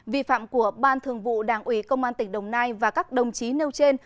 vi phạm của ban thường vụ đảng ủy công an tỉnh đồng nai và các đồng chí nêu trên